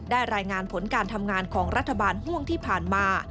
รายงานผลการทำงานของรัฐบาลห่วงที่ผ่านมา